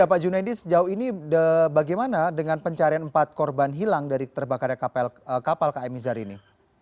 ya pak junedi sejauh ini bagaimana dengan pencarian empat korban hilang dari terbakarnya kapal km nizar ini